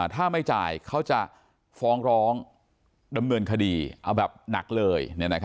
ถ้าไม่จ่ายเขาจะฟ้องร้องดำเนินคดีเอาแบบหนักเลย